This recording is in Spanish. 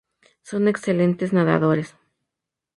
Son excelentes nadadores.